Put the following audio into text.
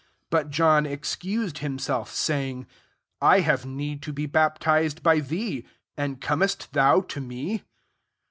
14 But John excused himself, saying, '^ I have need to be baptized by thee, and comest thou to me